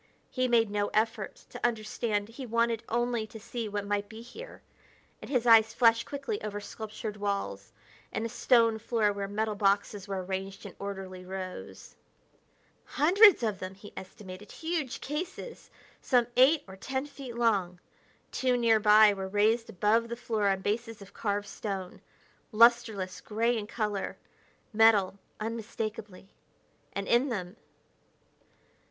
He made no effort to understand; he wanted only to see what might be here; and his eyes flashed quickly over sculptured walls and a stone floor where metal boxes were arranged in orderly rows. Hundreds of them, he estimated; huge cases, some eight or ten feet long. Two nearby were raised above the floor on bases of carved stone. Lusterless gray in color metal, unmistakably and in them....